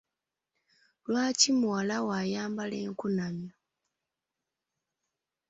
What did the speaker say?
Lwaki muwala wo ayambala enkunamyo?